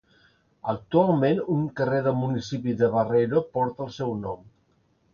Actualment un carrer del municipi de Barreiro porta el seu nom.